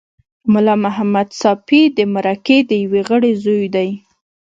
ملا محمد ساپي د مرکې د یوه غړي زوی دی.